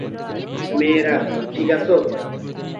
মেয়েরা, ঠিক আছো?